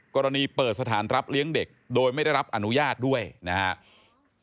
กรณีเปิดสถานรับเลี้ยงเด็กโดยไม่ได้รับอนุญาตด้วยนะครับ